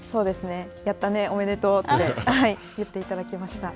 やったね、おめでとうって言っていただきました。